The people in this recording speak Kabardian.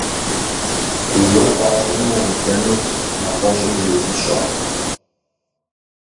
Уэ къыуащӀэмэ умыдэнур нэгъуэщӀым йумыщӀэ.